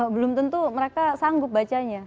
belum tentu mereka sanggup bacanya